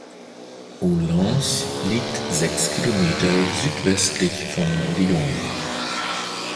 Oullins liegt sechs Kilometer südwestlich von Lyon.